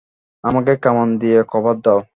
আমাকে কামান দিয়ে কভার দাও!